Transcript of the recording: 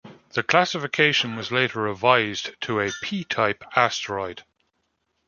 The classification was later revised to a P-type asteroid.